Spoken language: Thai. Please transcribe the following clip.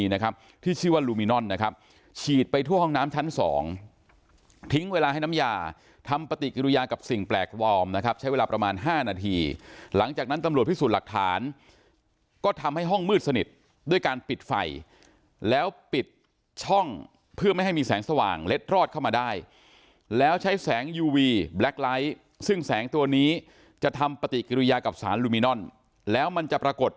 นะครับฉีดไปทั่วห้องน้ำชั้นสองทิ้งเวลาให้น้ำยาทำปฏิกิรุยากับสิ่งแปลกวอร์มนะครับใช้เวลาประมาณห้านาทีหลังจากนั้นตำรวจพิสูจน์หลักฐานก็ทำให้ห้องมืดสนิทด้วยการปิดไฟแล้วปิดช่องเพื่อไม่ให้มีแสงสว่างเล็ดรอดเข้ามาได้แล้วใช้แสงยูวีแบล็คไลท์ซึ่งแสงตัวนี้จะท